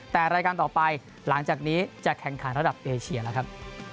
แต่รายการต่อไปหลังจากนี้จะแข่งขันระดับเอเชียแล้วครับ